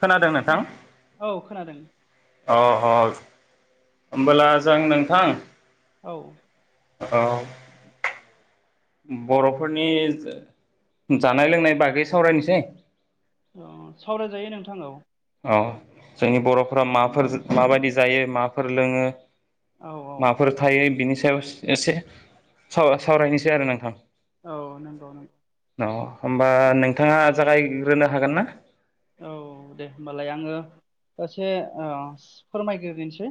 खोनादों नोंथां? औ खोनादों अ अ होमबोला जों नोंथां औ औ [unintelligible] बर'फोरनि जा-जानाय लोंनाय बागै सावरायनोसै अ सावराय जायो नोंथां औ अ जोंनि बरफोरा माफोर माबायदि जायो माफोर लोंङो औ औ माफोर थायो बिनि सायाव एसे सावरायनोसै आरो नोंथां औ नंगौ नंगौ [inaudible] होमबा औ नोंथाङा जागायग्रोनो हागोन ना औ दे होमबालाय आंङो दासे फोरमायग्रोनोसै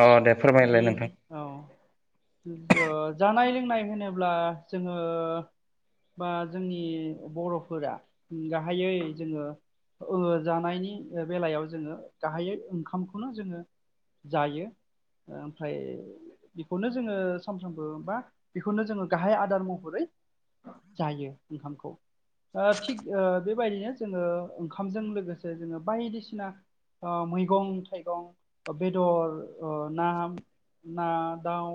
अ दे फोरमायलाय नोंथां [unintelligible] औ जानाय लोंनाय [inaudible] होनोब्ला जोंङो बा जोंनि बर'फोरा गाहायै जोङो जानायनि बेलायाव जोंङो गाहायै ओंखामखौनो जोंङो जायो ओमफ्राय बेखौनो जोंङो सानफ्रामबो बा बेखौनो जोंङो गाहाय आदार महरै जायो ओंखामखौ थिग बेबायदिनो जोंङो ओंखाम ओंखामजों लोगोसे जोंङो बायदिसिना मैगं थाइगं बेदर ना ना दाउ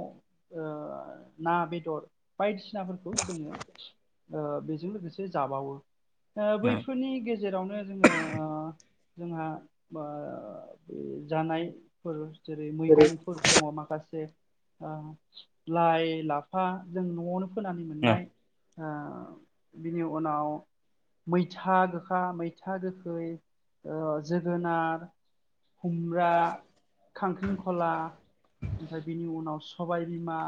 ना बेदर बायदिसिनाफोरखौ जोंङो बेजों लोगोसे जाबावो बैफोरनि गेजेरावनो जोंङो जोंहा बे जानायफोर जेरै मैगंफोर दंङ माखासे लाइ लाफा जों न'आवनो फोनानै मोननाय नंगौ बिनि उनाव मैथा गोखा मैथा मैथा गोखै, जोगोनार, खुमब्रा, खांख्रिंखला ओमफ्राय बिनि उनाव सबायबिमा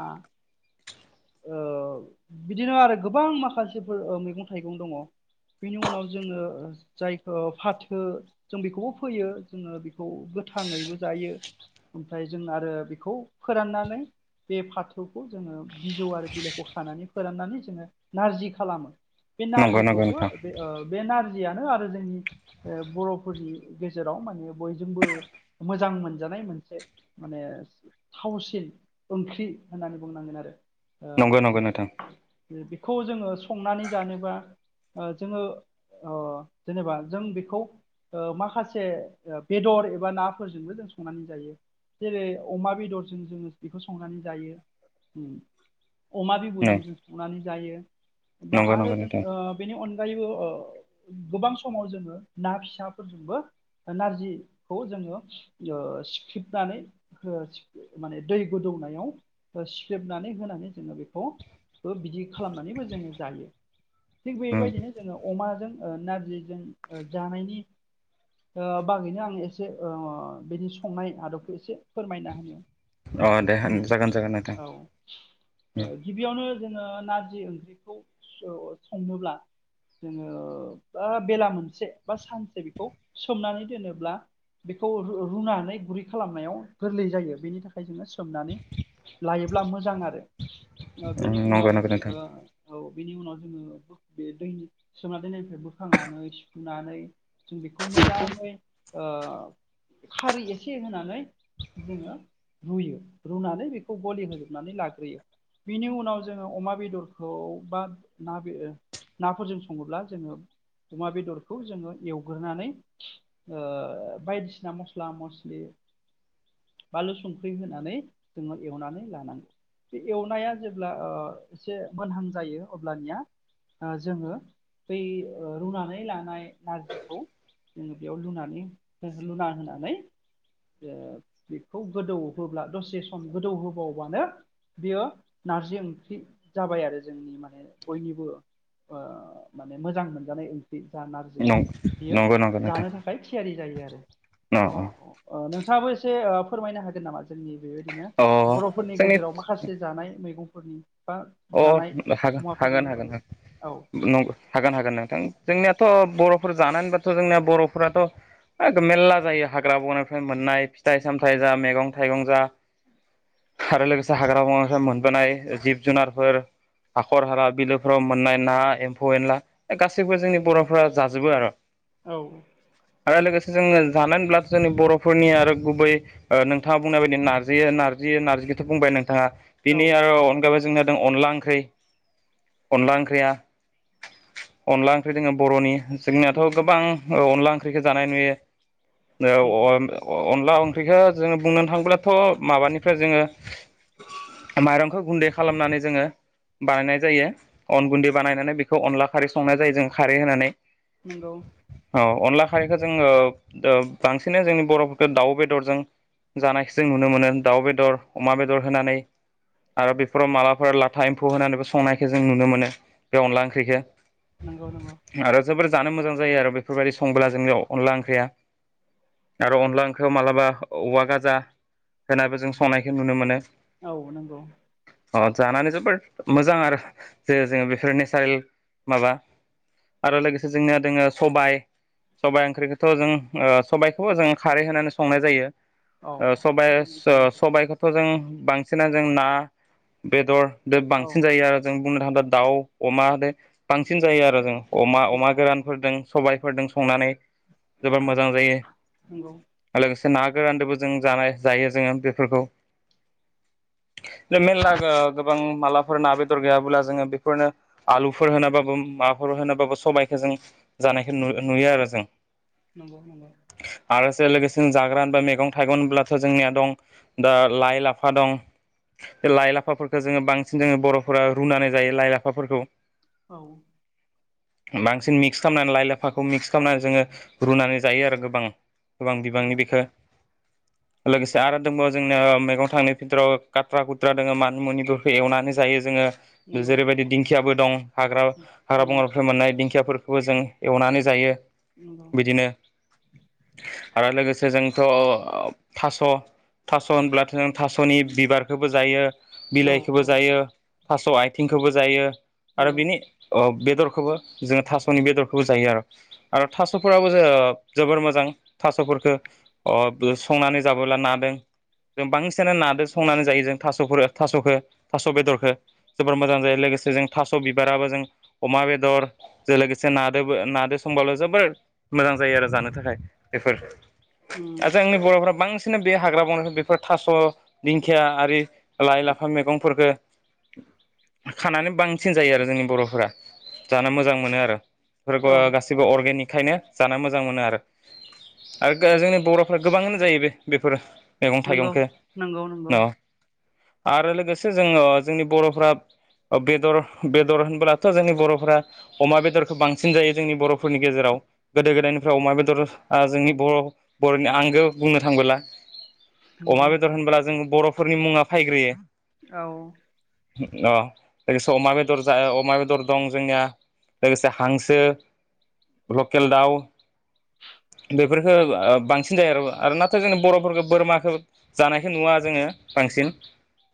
बिदिनो आरो गोबां माखासेफोर मैगं थाइगं दङ बेनि उनाव जोंङो जायखौ फाथो जों बेखौबो फोयो जोंङो बेखौ गोथाङैबो जायो ओमफ्राय जों आरो बेखौ फोराननानै बे फाथोखौ जोंङो बिजौ आरो बिलाइखौ खानानै फोराननानै जोंङो नारजि खालामो बे नंगौ नारजिखौबो नोंथां बे बे नारजि [inaudible] आरो जोंनि बर'फोरनि गेजेराव माने बयजोंबो मोजां मोनजानाय मोनसे माने थावसिन ओंख्रि होननानै बुंनांगोन आरो नंगौ नंगौ नोंथां [inaudible] जोंङो संनानै जानोबा जोंङो जेनेबा जों बेखौ माखासे बेदर एबा नाफोरजोंबो जों संनानै जायो जेरै अमा बेदरजों जोंङो बेखौ संनानै जायो अमा बिबुजों जों संनानै जायो बा नंगौ नंगौ आरो जों नोंथां बेनि अनगायैबो गोबां समाव जोंङो ना फिसाफोरजोंबो नारजिखौ जोंङो सिख्लेबनानै माने दै गोदौनायाव सिख्लेबनानै होनांगौ जोङो बेखौ बिदि खालामनानैबो जोंङो जायो थिग बेबायदिनो जोंङो अमाजों नारजिजों जानायनि बागैनो आं एसे बिनि संनाय आदबखौ एसे फोरमायना होनो अ दे होनि जागोन जागोन नोंथां औ गिबियावनो जोंङो नारजि ओंख्रिखौ संनोब्ला जोंङो बेला मोनसे बा सानसे बेखौ सोमनानै दोनोब्ला बेखौ रुनानै गुरै खालामनायाव गोरलै जायो बेनि थाखाय जोंङो सोमनानै लायोब्ला मोजां आरो बिनि नंगौ उनाव नंगौ नोंथां जोंङो औ बेनि उनाव जोंङो बे दै सोमना दोननायनिफ्राय बोखांनानै सुुनानै जों बेखौ मोजाङै खारै एसे होनानै जोंङो रुयो रुनानै बेखौ गलि होजोबनानै लाग्रोयो बिनि उनाव जोंङो अमा बेदरखौ बा ना बे नाफोरजों सङोब्ला जोंङो अमा बेदरखौ जोंङो एवग्रोनानै बायदिसिना मस्ला मस्लि बानलु संख्रि होनानै जोंङो एवनानै लानांगौ बे एवनाया जेब्ला एसे मोनहां जायो अब्लानिया जोङो बै रुनानै लानाय नारजिखौ जोङो बेयाव लुनानै लुना होनानै ओ बेखौ गोदौहोब्ला दसे सम गोदौ होबावबानो बेयो नारजि ओंख्रि जाबाय आरो जोंनि माने बयनिबो ओ माने मोजां मोनजानाय ओंख्रि। जा नारजि बियो नं-नंगौ नंगौ नोंथां जानो थाखाय थियारि जायो आरो अ औ ओ नोंथाङाबो से ओ फोरमायनो हागोन नामा जोंनि बेबायदिनो अ बर'फोरनि जोंनि गेजेराव माखासे फाइ‌ मैगंफोरनि बा अ जानाय हा मुवाफोरनि हागोन हागोन बागै हागोन औ [unintelligible] हागोन हागोन नोंथां जोंनिया थ' बर'फोर जानाय होनब्लाथ' जोंनिया बर'फोराथ' ए मेर्ला जायो हाग्रा बंग्रानिफ्राय मोननाय फिथाइ सामथाय जा मैगं थाइगं जा आरो लोगोसे हाग्रा बंग्रानिफ्राय मोनबोनाय जिब जुनारफोर, हाखर हाला, बिलोफोराव मोननाय ना, एम्फौ एनला गासैबो जोंनि बर'फोरा जाजोबो आरो औ आरो लोगोसे जोंङो जानाय होनल्बा जोंनि बर'फोरनिआ आरो गुबै ओ नोंथाङा बुंनाय बायदि नारजि नारजि नारजिखौथ' बुंबाय नोंथाङा औ बिनि आरो अनगायैबो [unintelligible] अनला ओंख्रि अनला ओंख्रिया अनला ओंख्रि जोङो बर'नि जोंनियाथ' नंगौ गोबां औ अनला ओंख्रिखौ जानाय नुयो। नंगौ [unintelligible] अनला ओंख्रिखौ जोङो बुंनो थाङोब्लाथ' माबानिफ्राय जोङो माइरंखौ गुन्दै खालामनानै जोङो बानायनाय जायो अन गुन्दै बानायनानै बेखौ अनला खारै संनाय जायो जों खारै होनानै नंगौ औ अनला खारैखौ जोङो ओ बांसिनो जोंनि बर'फोरखौ दाउ बेदरजों जानायखौ जों नुनो मोनो दाउ बेदर, अमा बेदर होनानै आरो बे फोराव मालाफोर लाथा एम्फौ होनानैबो संनायखौ जों नुनो मोनो बे अनला ओंख्रिखौ नंगौ नंगौ। आरो जोबोर जानो मोजां जायो आरो बेफोरबायदि संबोला जोंनियाव अनला ओंख्रिया आरो अनला ओंख्रियाव मालाबा औवा गाजा होनाबो जों संनायखौ नुनो मोनो। औ नंगौ। अ जानानै जोबोर मोजां आरो जे जोङो बेफोर नेसारेल माबा आरो लोगोसे जोंनिया दोङो सबाइ सबाइ ओंख्रिखौथ' जों ओ सबायखौबो जों खारै होनानै संनाय जायो। नंगौ ओ सबाइस ओ औ सबायाइखौथ' जों बांसिना जों ना बेदर दो औ बांसिन जायो आरो जों। बुंनो थांब्ला दाउ, अमा बे बांसिन जायो आरो जों। अमा अमा गोरानफोरदों सबायफोरदों संनानै जोबोर मोजां जायो नंगौ आ लोगोसे ना गोरान्दोबो जों जानाय जायो जोङो बेफोरखौ। जोंङो मेरला ओ गोबां मालाफोर ना बेदर गैयाब्ला जोङो बेफोरनो आलुफोर होनाबाबो माबाफोर होनाबाबो सबायखौ जों जानायखौ नु नुयो आरो जों। नगौ नंगौ। आरोसे लोगोसे जों जाग्रा बा मैगं थाइगं' होनोब्लाथ' जोंनिया दं दा लाइ लाफा दं बे लाइ लाफाफोरखौ जोङो बांसिन जोङो बर'फोरा रुनानै जायो लाइ लाफाफोरखौ। औ [inaudible] बांसिन मिक्स खालामनानै लाइ लाफाखौ मिक्स खालामनानै जोङो रुनानै जायो आरो गोबां गोबां नंगौ बिबांनि बेखो लोगोसे आरो दंबावो जोंनिया मैगं थांनाय [unintelligible] गाथ्रा गुद्रा दोङो मानि मुनिफोरखौ एवनानै जायो जोङो नंगौ जेरैबायदि दिंखिाबो दं हाग्रा हाग्रा उम बंग्राफ्राय मोननाय दिंखिया दिंखियाफोरखौबो जों एवनानै जायो नंगौ बिदिनो आरो लोगोसे जोंथ' थ' थास' होनब्लाथ' ज थास'नि बिबार फोरबो जायो औ बिलाइखौबो औ जायो थास' आथिंखौबो जायो आरो नंगौ बिनि बेदरखौबो जोङो थास'नि बेदरखौबो जायो आरो आरो थास'फोराबो जो जोबोर मोजां थास'फोरखौ संनानै जाबोब्ला नादों जों बांसिनानो नादों संनानै जायो जों थास' थास'खौ थास' बेदरखौ जोबोर मोजां जायो लोगोसे जों थास' बिबाराबो जों अमा बेदरजों लोगोसे नादो नादो संबाल' जोबोर मोजां जायो आरो जानो थाखाय बेफोर उम आर जोंनि बर'फ्रा बांसिन बे हाग्रा बंग्रायाव बेफोर थास' दिंखिया आरि लाइ लाफा मैगंफोरफोरखौ खानानै बांसिन जायो आरो जोंनि बर'फोरा जानो मोजां मोनो आरो बेफोरखौ औ गासिबो अर्गेनिकखायनो जानो मोजां मोनो आरो आरो जोंनि बर'फ्रा गोबाङानो जायो बे बेफोरो मैगं नंगौ थाइगंखौ नंगौ नंगौ न' आरो लोगोसे जोङो जोंनि बर'फ्रा बेदर बेदर होनबोलाथ' जोंनि बर'फोरा अमा बेदरखौ बांसिन जायो जोंनि बर'फोरनि गेजेराव गोदो गोदायनिफ्राय अमा बेदरा जोंनि बर' बर'नि आंगो बुंनो थांबोला अमा नंगौ बेदर होनब्ला बर'फोरनि मुङा फायग्रोयो औ अ लोगोसे अमा बेदर जा अमा बेदर दं जोंनिया लोगोसे हांसो लकेल दाउ बेफोरखौ बांसिन जायो आरो आरो नाथाय जोंनि बर'फोरखौ बोरमाखौ जानाय बेखौ नुवा जोङो बांसिन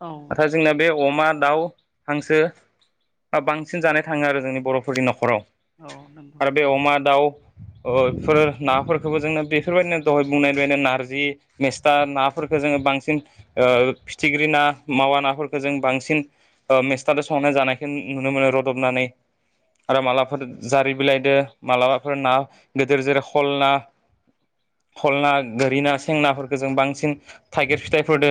औ आथा जोंना बेव अमा दाउ हांसो बांसिन जानाय थाङो आरो जोंनि बर'फोरनि न'खराव औ नंगौ आरो बे अमा दाउ बेफोर नाफोरखौबो जोङो बेफोरबायदिनो दहाय बुंनाय बायदिनो नारजि मेस्था नाफोरफोरखौ जोङो बांसिन बांसिन फिथिख्रि ना मावा नाफोरखौ जों बांसिन मेस्थाजों संनाय जानायखौ नुनो मोनो रुदबनानै आरो मालाबाफोर जारि बिलाइदो मालाबाफोर ना गिदिर जेरै हल ना हल ना गोरि ना सेंनाफोरखौ जों बांसिन थाइगिर फिथाइ फोरदो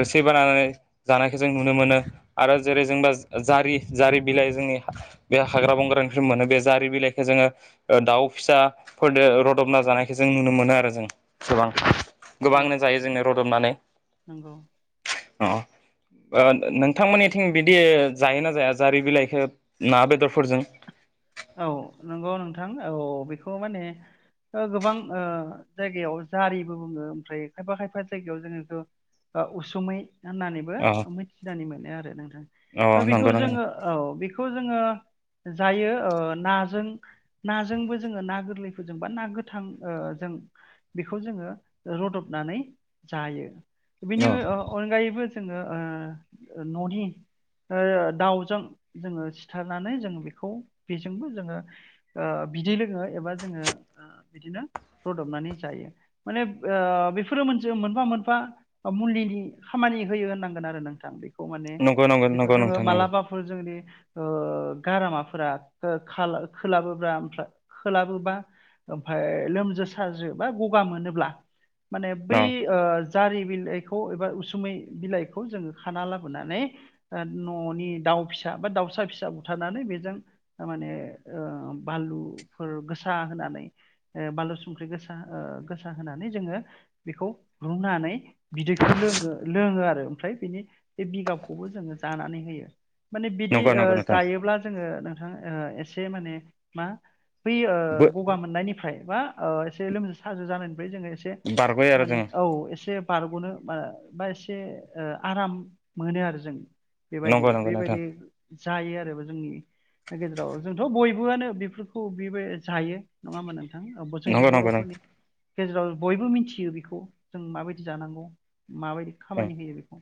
रोसि बानायनानै जानायखौ जों नुनो मोनो आरो जेरै जोंबा जारि जारि बिलाइ जोंनि बे हाग्रा बंग्राानिफ्राय मोनो बे जारि बिलाइखौ जोङो दाउ फिसाफोरजों रुदबना जानायखौ जों नुनो मोनो आरो जों गोबां औ गोबांनो जायो जोंना रुदबनानै नंगौ नोंथांमोननिथिं बिदि जायोना जाया जारि बिलाइखौ ना बेदरफोरजों औ नंगौ नोंथां औ बेखौ माने गोबां जायगायाव जारिबो बुङो ओमफ्राय खायफा खायफा जायगायाव जोङोथ' उसुमै होननानैबो अ मिथिनानै मोनो आरो अ नोंथां नंगौ बेखौ नंगौ जोङो औ बेखौ जोङो जायो नाजों नाजोंबो जोङो ना गोरलैफोरजों बा ना गोथां जों बेखौ जोङो रूदबनानै जायो बिनि नंगौ अनगायैबो जोङो न'नि दाउजों जोङो सिथारनानै जों बेखौ बेजोंबो जोङो बिदै लोङो एबा जोङो बिदिनो रूदबनानै जायो माने बेफोरो मोनसे मोनफा-मोनफा मुलिनि खामानि होयो होननांगोन आरो नोंथां बेखौ खौ माने नंगौ नंगौ बेखौ नंगौ जोङो नोंथां नंगौ मालाबाफोर जोंनि गारामाफोरा खोलाबोब्ला खोलाबोबा ओमफाय लोमजा साजो बा गगा मोनोब्ला माने बै अ जारि बिलाइखौ एबा उसुमै बिलाइखौ जोङो खाना लाबोनानै न'नि दाउ फिसा बा दाउसा फिसा बुथारनानै बेजों थार माने बानलुफोर गोसा होनानै बालु संख्रि गोसा गोसा होनानै जोङो बेखौ रुनानै बिदैखौ लोङो लोङो आरो ओमफ्राय बेनि बे बिगाबखौबो जोङो जानानै होयो माने बिदि नंगौ नंगौ नोंथां जायोब्ला जोङो एसे माने मा बै बो गगा मोननायनि फ्रायबा एसे लोमजा साजा जानाय ओमफ्राय जोङो एसे बारग'यो आरो माने जोङो औ एसे बारग'नो बा एसे आराम मोनो आरो जों नंगौ नंगौ नोंथां बेबायदि-बेबायदि जायो आरो बे जोंनि गेजेराव जोंथ' बयबोआनो बेफोरखौ बेबो जायो नङाहोमबा नोंथां जोंनि नंगौ नंगौ बर'फोरनि नोंथां गेजेराव बयबो मिथियो बेखौ जों माबायदि जानांगौ माबायदि खामानि होयो बेखौ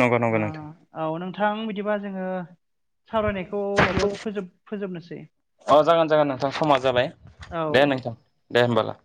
नंगौ नंगौ नोंथां औ नोंथ ां बिदिबा जोङो सावरायनायखौ बेयावनो फोजोब फोजोबनोसै अ जागोन-जागोन नोंथां समा जाबाय दे नोंथां दे औ होमबालाय